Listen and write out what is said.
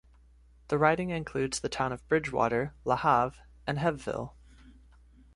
The riding includes the town of Bridgewater, LaHave, and Hebbville.